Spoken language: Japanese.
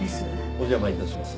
お邪魔致します。